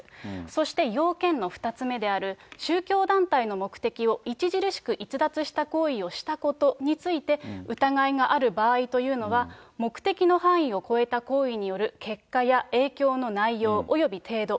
そして、要件の２つ目である、宗教団体の目的を著しく逸脱した行為をしたことについて疑いがある場合というのは、目的の範囲を超えた行為による結果や影響の内容、および程度。